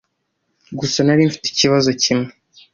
gusa nari mfite ikibazo kimwe.